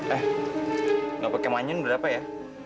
eh gak pake manyun berapa ya